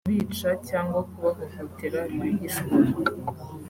kubica cyangwa kubahohotera rwihishwa